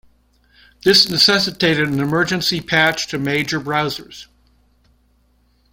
This necessitated an emergency patch to major browsers.